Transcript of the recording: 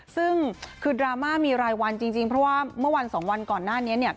ซึ่งคือดราม่ามีรายวันจริงเพราะว่าเมื่อวันสองวันก่อนหน้านี้เนี่ย